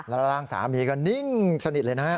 แล้วร่างสามีก็นิ่งสนิทเลยนะฮะ